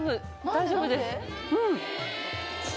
大丈夫ですうん。